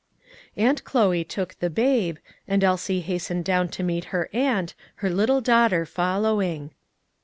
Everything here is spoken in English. Aunt Chloe took the babe, and Elsie hastened down to meet her aunt, her little daughter following.